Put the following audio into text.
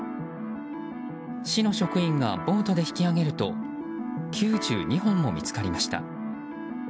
市の職員がボートで引き上げると９２本も見つかりました。